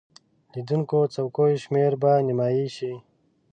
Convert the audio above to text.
د لیدونکو څوکیو شمیر به نیمایي شي.